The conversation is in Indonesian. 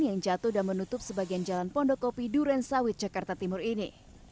yang jatuh dan menutup sebagian jalan pondokopi duren sawit jakarta timur ini